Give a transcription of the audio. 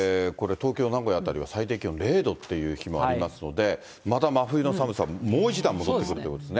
東京、名古屋辺りは最低気温０度っていう日もありますので、また真冬の寒さ、もう一段戻ってくるということですね。